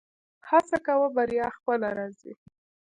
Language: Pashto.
هڅه کوه بریا خپله راځي